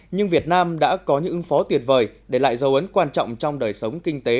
nhưng việt nam đã có những ứng phó tuyệt vời để lại dấu ấn quan trọng trong đời sống kinh tế